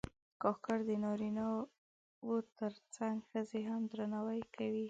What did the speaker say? کاکړ د نارینه و تر څنګ ښځې هم درناوي کوي.